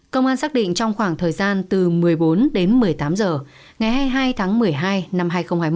công an xác định trong khoảng thời gian từ một mươi bốn đến một mươi tám h ngày hai mươi hai tháng một mươi hai năm hai nghìn hai mươi